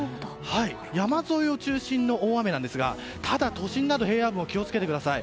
山沿いを中心の大雨なんですがただ、都心など平野部も気を付けてください。